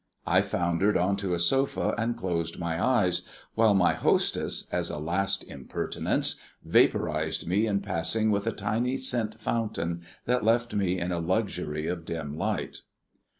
I foundered on to a sofa and closed my eyes, while my hostess, as a last impertinence, vapourised me in passing with a tiny scent fountain, and left me in a luxury of dim light.